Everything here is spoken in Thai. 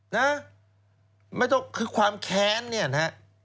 นะคือความแค้นเนี่ยนะ